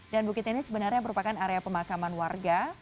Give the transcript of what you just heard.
dan bukit ini sebenarnya merupakan area pemakaman warga